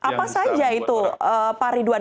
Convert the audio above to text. apa saja itu pak ridwan